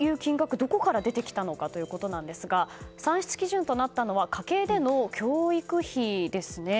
どこから出てきたのかということなんですが算出基準となったのは家計での教育費です。